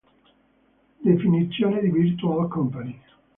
Definizione di Virtual company